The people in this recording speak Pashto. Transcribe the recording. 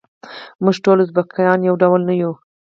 موږ ټول ازبیکان یو ډول نه یوو.